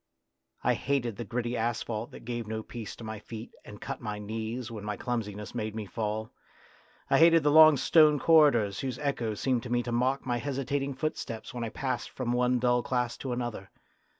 I hated the gritty asphalt that gave no peace to my feet and cut my knees when my clumsi ness made me fall. I hated the long stone corridors whose echoes seemed to me to mock my hesitating footsteps when I passed from one dull class to another.